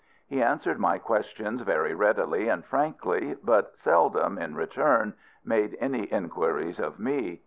He answered my questions very readily and frankly, but seldom, in return, made any inquiries of me.